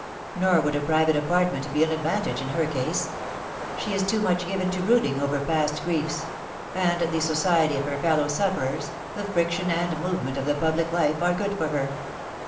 Nor would a private apartment be an advantage in her case. She is too much given to brooding over past griefs ; and the society of her fellow sufferers, the friction and movement of the public life, are good for her."